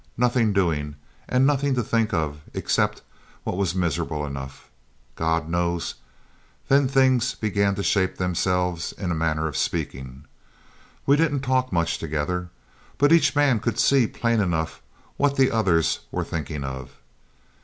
Nothing doing and nothing to think of except what was miserable enough, God knows. Then things began to shape themselves, in a manner of speaking. We didn't talk much together; but each man could see plain enough what the others was thinking of.